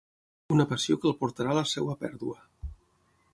Una passió que el portarà a la seva pèrdua.